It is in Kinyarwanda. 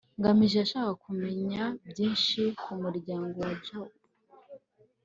ngamije yashakaga kumenya byinshi ku muryango wa jabo. (ck